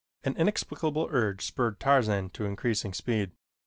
An inexplicable urge spurred Tarzan to increasing, speed.